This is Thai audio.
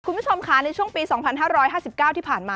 คุณผู้ชมค่ะในช่วงปี๒๕๕๙ที่ผ่านมา